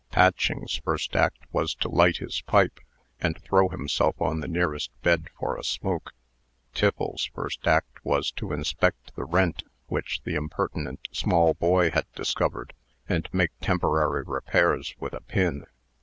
Patching's first act was to light his pipe, and throw himself on the nearest bed for a smoke. Tiffles's first act was to inspect the rent which the impertinent small boy had discovered, and make temporary repairs with a pin.